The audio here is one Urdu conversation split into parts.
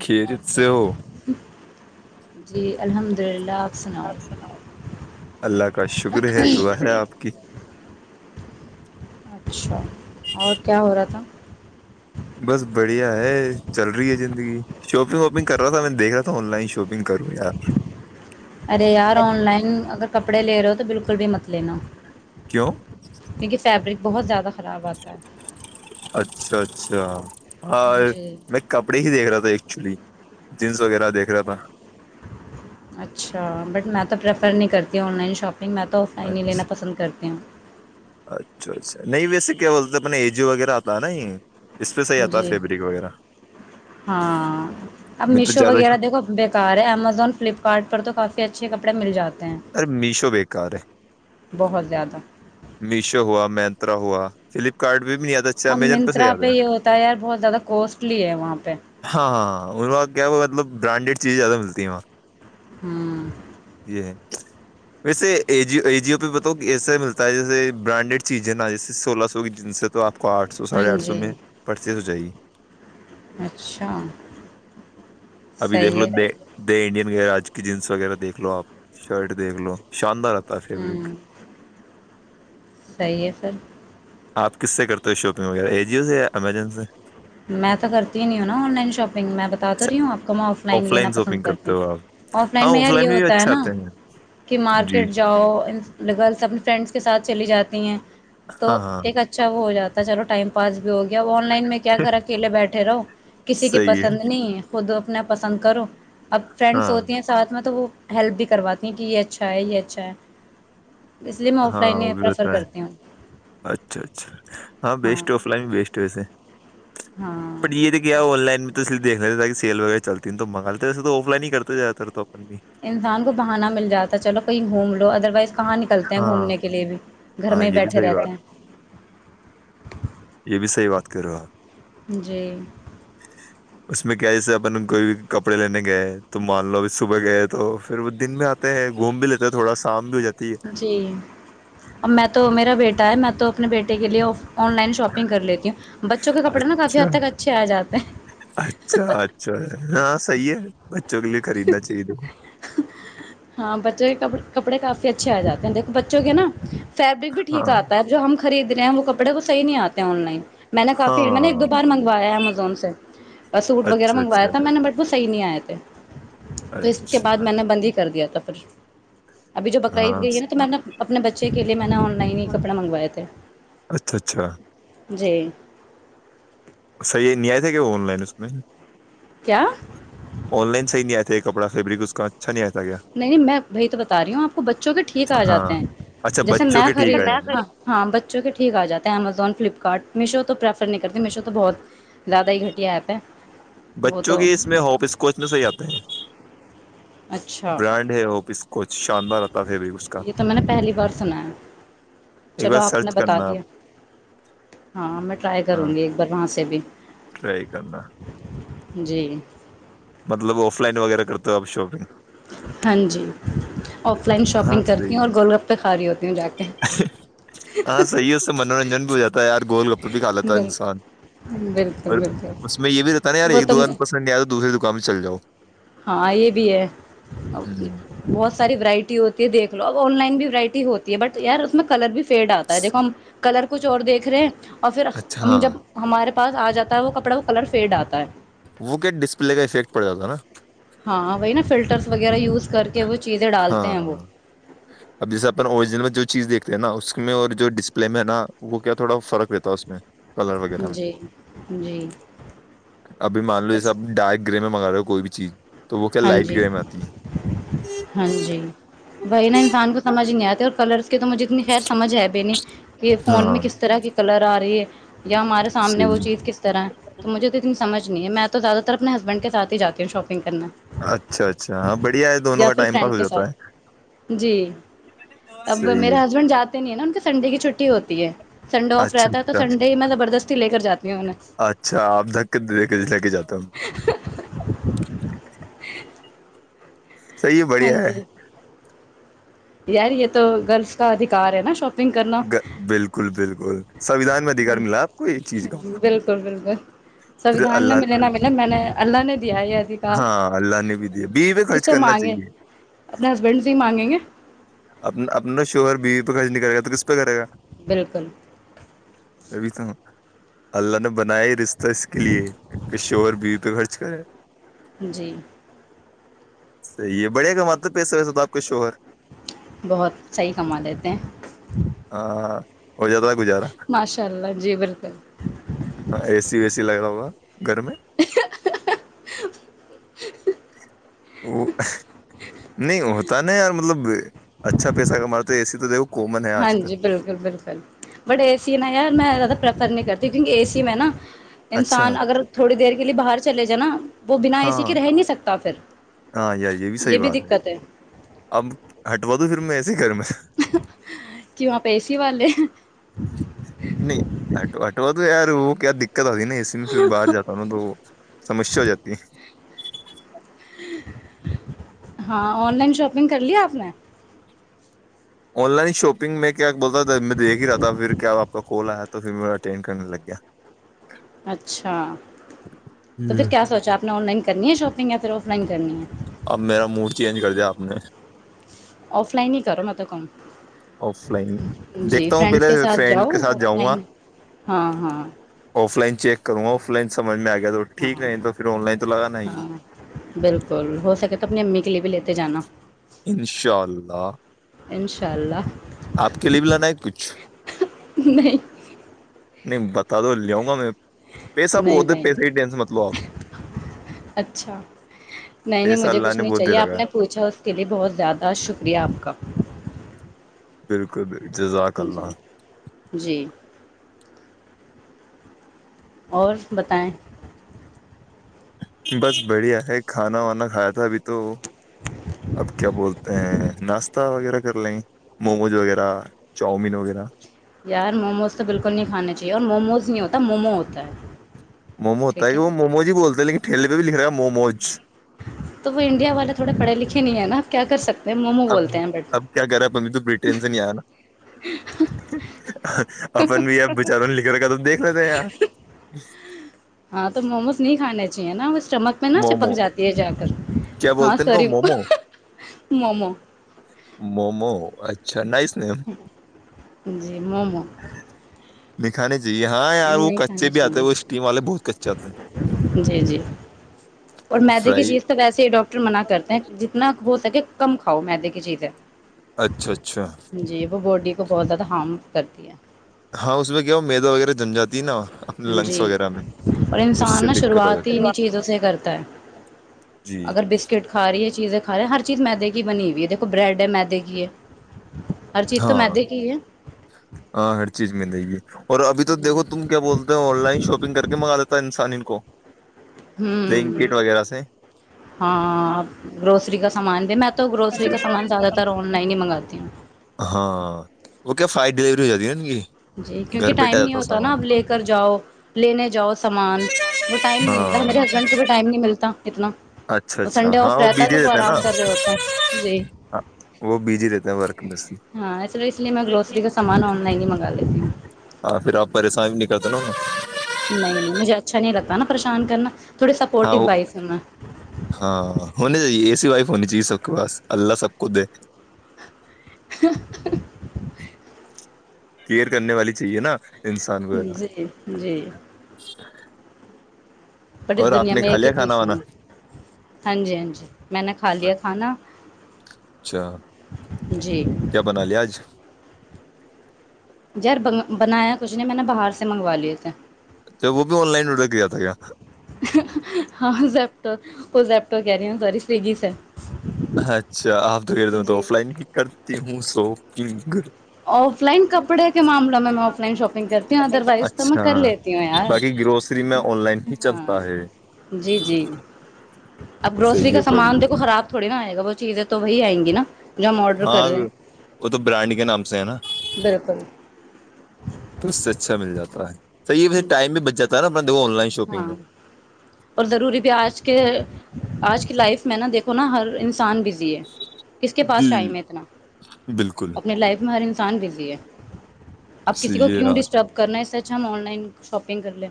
کھیریت سے ہو جی الحمد للہ آپ سناؤ اپ سنا اللہ کا شکر ہے دعا ہے آپ کی اچھا اور کیا ہو رہا تھا بس بڑھیا ہے چل رہی ہے زندگی شاپنگ واپنگ کر رہا تھا میں دیکھ رہا تھا آن لائن شاپنگ کروں یار ارے یار آن لائن اگر کپڑے لے رہو ہو تو بالکل بھی مت [inaudible] کیوں کیونکہ فیبرک بہت زیادہ خراب آتا ہے [inaudible] ہاں جی میں کپڑے ہی دیکھ رہا تھا چلی جنس وغیرہ دیکھ رہا تھا اچھا بٹ میں تو پریفر نہیں کرتی ہ آن لائن شاپنگ لیکن میں تو آفائن ہی اچھا لینا پسند کرتی ہوں اچھا اچھا نہیں ویسے کیا بولتے اپن ای جی وغیرہ آتا ن جی ہاں اب میں تو میشو زیادہ وغیرہ دیکھو بےکار ہے امزون فلپکارٹ پر تو کافی اچھے کپڑے مل جات ہیں ارے میشو بےیکار ہے بہت زیادہ میشو ہوا مینترا ہوا فلپکارٹ بھی نہیں آتا اچھا اب امیزون پہ صحی منترا آتے یہ ہوتا ہے یار بہت زیادہ کوسٹلی ہے وہاں پہ ہاں ہاں ہ ان کا کیا ہو مطلب برانڈیڈ چیزیں زیادہ ملتی ہیں وہاں ہاں یہ ہے ویسے ای جیو ای جیو پہ بتاؤ کہ ایسا ملتا ہے جیسے برانڈیڈ چیزیں نا جیسے سولہ سو کی جن سے تو آپ آٹ سو ہاں ساڑھے آٹ سو جی میں پرچیس س جی اچھا ابھی دیکھ صحیح لو ہے د پھر، د انڈین آج کی جینس وغیرہ دیکھ لو آپ شرٹ دیکھ لو چاندہ رہتا ہے فیبرک ہوں صحیح ہے پھر آپ کس سے کرتے ہو شاپنگ وغیرہ اے جیو سے یا امیزون سے میں تو کرتی ہی نہیں ہ نا آن لائن شاپگ میں بتات تو اچھا رہی ہوں آپ کو ہم آف لائن لینا پسند کرتے ہیں آف ہاں لائن میں یار یہ بھی ہوتا ہے اچھے نا آتے ہیں کہ جی مارکیٹ جاؤ گرلس اپنی فرینڈس کے ساتھ چلی جاتی ہیں ہاں تو ہاں ایک اچھا وہ ہو جاتا چلو ٹائم پانچ ہویا آن لائن میں کیا گھر اکیلے بیٹھے رہو کسی کی پسند نہیں ہے کھ خود اپنا پسند کرو اب فرینڈس ہاں ہوتی ہیں ساتھ میں تو وہ ہیلپ بھی کرواتی ہیں کہ یہ اچھا ہے یہ اچھا ہے اس لیے میں آف ہاں لائن وہ ہی بھی پریفر ہوتا ہے کرتی ہوں اچھا اچھا ہاں بیسٹ آف لائن بھی بیسٹ ہے ویسے ہاں پ یہ تو کیا آن لائن میں تو دیکنےتے تاکیل وغیرہ چلتی تو منگاتے ویے تو آف لائن ہی کرتے زاتےر توب انسان کو بہانا مل جاتا چلو کہیں گھوم لو ادروائز کہاں نکلتے ہیں ہاں گھومنے کے لیے بھی گھر ہاں میں ہی یہ بھی بیٹھے صحیح رہتے بات ہیں کرا جی اس میں کیا جسے اپن کوئی بھی کپڑے لینے گئے تو مان لو ا صبح گئے تو پھر وہ دن بھی آتے ہیں گھوم بھی لیتے تھوڑا شام بھی ہو جاتا جی ا میں تو میرا بیٹا ہے میں تو اپنے بیٹے کے لیے آف آن لائن شاپنگ کر لیتی ہوں بچوں کے کپڑے نا کافی اچھا حد تک اچھے آ جاتے اچھا ہیں چگلے کرا چاہیے د وہ ہاں بچوں کے ک کپڑے کافی اچھے آ جاتے ہیں دیکھو بچوں کے نا فیبرک بھی ٹھیک ہاں آتا ہے جو ہم خرید رہے ہیں وہ کپڑے کو صحی نہیں آتے آن لائن میں نے کافی میں نے ایک ہاں دو بار منگوایا امزون سے سوٹ وغیرہ اچھا منگوایا اچھا تھا میں نے بٹ صحی نہیں آئے تھے تو اس کے بعد اچھا میں نے بندی کر دیا تھا پھر ابھی جو ہاں بکرائیید گئی ہے نا تو میں نا اپنے بچے کے لیے میں نہ ن ن کپڑے منگوائے تھے اچھا اچھا جی صح یہ نہیں آئے تھے کہ وہ آن لائن اس میں کیا آن لائن سح نہیں آ تھے کپڑا فیبرک اس کا نہیں آیا تھا کیا نہیں نہیں میں بھائی تو بتا رہی ہوں آپ کو بچوں کے ٹھیک آ جاتے ہاں ہیں اچھا جیسے بچوں میں کے ٹھیک خرید ہے ہاں ہاں بچوں کے ٹھیک آ جاتے ہیں امیزون فلپکارٹ میشو تو پرریفر نہیں کرتی میشو تو بہت زیادہ ہی گھٹیا ایپ ہے وہ بچوں تو کی اس میں ہوپ اسکوچ میں صحیح آتے ہے اچھا برانڈ ہوپ اسکوچ شاندار آتا ہے فیبرک اس کا یہ تو میں نے پہلی بار سنا ہے ایک چلو بار آپ نے سرچ بتا کرنا آپ دیا ہاں میں ٹرائی کروں ہاں گی ایک بار وہاں سے بھی ٹرائی کرنا جی مطلب آف لائن وغیرہ کرتے ہو آپ شاپنگ ہاں جی آف لائن ہاں شاپنگ کرتی ہوں صحیح ہے اور گول گپے خھالی ہوتی ہوں جا کے ہاں صحیح ہے اس سے منورنجن بھی ہو جاتا ہے یار گول گپ [inaudible] تو بھی کھا بالکل انسان بالکل اور بالکل اس میں یہ بھی رہتا نا یار وہ ایک تو دوران پسند نہیں آ دوسرے د کم چل جاؤ [inaudible] ہاں یہ بھی ہے ہ بہت ساری ورائٹی ہوتی ہے دیکھ لو اب آن لائن بھی وورائٹی ہوتی ہے بٹ ار اس میں کلر بھی فیڈ آتا ہے دیکو ہم کلر کچھ اور دیکھ رہے ہیں اور پھر اچھا ہم ہاں جب ہمارے پاس آ جاتا ہے وہ کپڑا وہ کلر فیڈ آتا ہے وہ کیا ڈسپلے کا افیکٹ پڑ جاتا نا ہاں وہی نا فلر وغیرہ یوز کر کے وہ چیزیں ڈالتے ہیں وہ ہاں اب جیسے اپنا اوریجنل میں جو چیز دیکھا تو نا اس میں اور جو ڈسپلے میں ہے نا وہ کیا تھوڑا فرق رہتا ہے اس میں کلر وغیرہ میں جی جی ابھی مان لو یہ سب ڈارک گرے میں منگا رہے ہو کوئی بھی چیز تو وہ کیا ہاں لائٹ جی گرے میں آتی ہے ہاں جی بائی نہا انسان کو سمجھ نہیں آ اور کلر کہ تو مجھے اتنی خیر سمجھ ہے ب نہیں کہ فون ہاں میں کس طرح کی کلر آ رہی ہے یا ہمارے سامنے وہ صحیح چیز کس طرح ہے تو مجھے تو اتنی سمجھ نہیں ہے میں تو زیادہ تر اپنے ہسبین کےاتھ ہیات ہوں شاپنگ کرنا اچھا اچھا ہاں بڑھیا ہے دونوں یا کا پھر ٹائم پاس فرینڈ ہو کے جاتا ساتھ جی ہے اب صحیح میرے ہے ہسبینڈ جاتے نہیں ہے نا سنڈے کی چھٹی ہوتی ہے سنڈے آف اچھا رہتا ہے تو اچھا سنڈے ہی میں زبردست لے کر جاتا اچھا آپ دھک کے د دے کے لے کے جاتا ہوں ہ [inaudible] صحیح ہاں بڑھیا ہے جی یار یہ تو گرلس کا ادھار ہے نا شوق کرنا گ- بالکل بالکل سویدھان میں ادھیکار ملا آپ کو یہ چیز کا بالکل بالکل پھر سوھان میں اللہ ملے نے نہا ملے میں نے اللہ نے دیا یہ ادھیکار ہاں اللہ نے بھی دیا بیوی پہ خرچ کسے کرنا مانگے چاہیے اپنے ہسبینڈ بھی مانگیں گے اپنا اپنا شوہر بیوی پہ خرچ نہیں کرے گا تو کس پہ کرے گا بالکل [unintelligible] ابھی تو اللہ نے بنائے رشتہ اس کے لیے کہ شور بیو پہ خرچ کرے جی صحیح ہے بڑھیا گ ماتلب پیسے ویسے ہو تھا آپ کا شوہر بہت صحیح کما لیتے ہیں ہاں ہو جات گزارا ماشاء اللہ جی بالکل ہاں اے سی وے سی لگ رہا ہوگا گھر میں [unintelligible] وہ نہیں ہوتا نہیں یار مطلب اچھا پیسہ کماتے ایے تو د ہاں جی بالکل بالکل بٹ ا سین یار میں زیادہ پرریفر نہیں کرتا د کین اے سی میں نا اچھا انسان اگر تھوڑی دیر کے کے لیے باہر چلے جاانا وہ بنا اسی کے ہاں رہ نہیں سکتا پھر ہاں یار یہ صحیح بھی بات دقت ہے اب ہٹوا دوں پھر میں ایس ہی گھر میں کی آ پ ایسی والے نہیںٹ آٹوت [inaudible] یار وہ کیا دکھ دقت آتی نا اسی میں پھر باہر جاتا ہوں نا تو سمسیا ہو جاتی ہے ہاں آن لائن شاپنگ کر لیا آپ نے آن لائن شاپنگ میںیک کیا بولتا تھا میں دیکھ ہی رہا تھا پھر کیا آپ کا کال آیا تھا تو پھر ما اٹینین کر لگ گیا اچھا تو پھر ہوں کیا سوچا آپ نے آن لائن کرنی ہے شاپنگ یا پھر آف لائننی ہے اب میرا موڈ چینج کر دیا آپ نے آف لائن ہی کرو میںط توب کم آف لائن دیکھتا ہوں پہلے فرینڈس کے ساتھ فرینڈ جاؤ کے ساتھ آف جاؤں گا لائن ہاں ہاں آف لائن چیک کروں آف لنمج میں آے ہاں ہاں بالکل ہو سکے تو اپنی امی کے لیے بھی لیتے جانا اشاء اللہ انشاء اللہ آپ کے لیے بھی لانا ہے کچھ نہیں نہیں بتا دو لیاؤں گا میں پیسہ نہیں بہت ہے نہیں پیسے کی ٹینشن مت لو آپ اچھا نہیں نہیں پیسہ مجھے اللہ کچھ نے نہیں بہت دے چاہیے آپ رکھا نے ہے پوچھا اس کے لیے بہت زیادہ شکر ریاپ کا بالکل بال جزاکاک جی اللہلہ جی اور بتائیں بس بڑھیا ہے کھانا وانا کھایا تھا ابھی تو اب کیا بولتے ہیں ناشتے تا وغیرہ کر لیں موموز وغیرہ چاؤمین وغیرہ یار موموز تو بالکل نہیں کھانے چاہیے اور موموز نہیں ہوتا مومو ہوتا ہے مومو ہوتا ہے ٹھیک وہ نا مومو ج بولتے لیکن ھیلے پہ لکھ رہا ہے موموز تو وہ انڈیا والے تھوڑے پڑھے لکھے نہیں ہے نا آپ کیا کر سکتے ہیں مومو اب بولتے ہیں بٹ اب کیا کر رہا پ تو ب ٹینشن ہی آ نا اپن بھی یہ چاروں لکھ رہ کا تو دیکھ لیتے ار ہاں تو موموز نہیں کھانے چاہیے نا اس اسٹمک میں نا چپک مومو جاتی ہے جا کر کیا ہاں بولتے ہیں س ان کو مومو مومو مومو اچھا نہیں جی مومو مکھانے جی ہاں یار وہ نہیں کچے کھانا بھی آتے چاہیے وہ اسٹیم والے بہت کچے آتے ہیں جی جی اور مدے کی فرائی چیز تو ویسے ہی ڈاکٹر منع کرتے ہیں جتنا ہو س کہ کم کاؤ میں د کی چیز ہے اچھا اچھا جی وہ بوڈی کو بہت زیاد ہام [inaudible] ہاں اس میں کیا ہو میدا وغیرہ جن جاتی ہے نا اپنے لنگس جی وغیرہ میں اور تو اس انسان سے نا دقت آ شروعات ہی جاتی انیں ہے چیزوں سے کرتا ہے جی اگر بسکٹ کھا رہی ہے چیزیں خاارے ہر چیز مد کی بنی ہوئی ہے دیکھو برڈ ہے میدی کی ہے ہر چیز تو ہاں میدے کی ہے ہاں ہر چیز م ج ہے اور ابھی تو جی دھو تم کیا بولتے ہو آن لائن شاپنگ کر کے منگا دیتا انسان ان کو ہوں بلینکٹ وغیرہ سے ہاں گروسری کا سامان د میں تو گروسری کا سامان زیادہ تر آن لائن ہی منگاتی ہوں جیای ہیں ن گی جی کیونکہ ٹائم نہیں ہوتا نا اب لے کر جاؤ لینے جاؤ سامان وہ ٹائم نہیں ہوتا ہاں میرے ہسبینڈ کو بھی ٹائم نہیں ملتا اتنا اچھا اچھا سنڈے ہاں آف رہتا ہے تو بزی وہ رہتے ہیں نا آرام کر رہے ہوتے ہیں جی ہاں وہ بزی رہتے ہیں ورک میں سے ہاں اس لیے میں گروسری کا سامان آن لائن ہی مگ ہاں پھر آپ پریشان بھی نک [inaudible] نہیں نہیں مجھے اچھا نہیں لگتا نا پریشان کرنا تھوڑی ہاں سپورٹو وہ وائف ہوں ہاں ہونی چاہیے اے سی وائ ہونی چیز سب کے پاس اللہ سب کو دے [inaudible] کیئر کرنے والی چاہیے نا انسان کو جی جی ب اس اور آپ دنیا نے میںے کھا کے لیا کھانا وانا پیسوںوں ہاں جی ہاں جی میں نے کھا لیا کھانا اچھا جی کیا بنا لیا آج یار بنایا کچھ نہیں میں نے باہر سے منگوا لیے تھے اچھا وہ بھی آن لائن آرڈر کیا تھا کیا ہاں زپٹاپ وہ زپٹاپ کہہ رہی ہوں س سوگی سے ہے اچھا آپ تو جی آف لائن ک کرتی سوپ گ آف لائن کپڑے کے معامل میں آف لائن شاپنگ کرتی ہوں ادر وائز تو میں اچھا کر لیتی ہوں یار باقی گروسری میں آن لائن ہی ہاں چلتا ہے جی جی اب گروسری صحیح کا ہے سامان بڑھیا دیکھو خراب تھوڑی نا آئے گا ب جٹھیک ہے تو وہی آئیں گی نا جو ہم آڈر کر ہاں رہے ہیں وہ تو برانڈ کے نام ہے نا بالکل تو اس سے اچھا مل جاتا ہے سح و ٹائم میں بچ جات ہے نا د آن لائن شاپنگ ہاں میں اور ضروری بھی آج کے آج کی لائف میں نا دیکھو نا ہر انسان بزی کس کے پاس جی ٹائم ہے اتنا بالکل اپنی لائف میں ہر ان انسان بزی ہے اب کسی کو صحیح ہے کیوں یار ڈسٹرب کرنا ہے اس سچھ ہم آن لائن شاپنگ کر لیں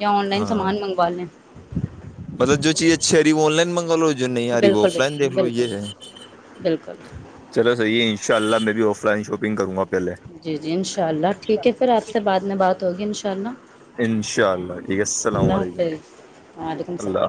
یا آن لائن ہاں سامان منگوا لیں [inaudible] مطلب جو چیز اچھی آ رہی وہ آن لائنگاو جو نہیں آ رہی وہ بالکل آف لائن بالکل دیکھ لو یہ بالکل ہے بالکل چلو صحیح ان شاء اللہ میر ا آف لائن شاپن کر گا پہلے جی جی انشاء اللہ ٹھیک ہے پھر آپ سے بعد میں بات ہوگی ان شاء اللہ انشاء اللہ ٹھیک ہے السلام اللہ علیکم حافظ وعلیکم السلام اللہ حا